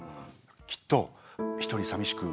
きっと一人さみしく